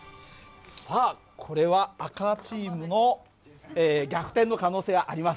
さあこれは赤チームの逆転の可能性がありますね。